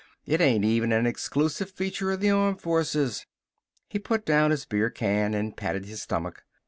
It ain't even a exclusive feature of the armed forces." He put down his beer can and patted his stomach.